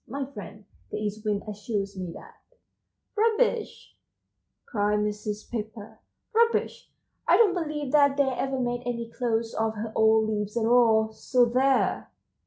My friend, the East Wind, assures me that"— 151 "Rubbish," cried Mrs. Pepper, "rubbish! I don't believe that they ever made any clothes of her old leaves at all, so there!"